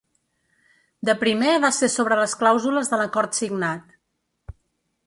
De primer va ser sobre les clàusules de l’acord signat.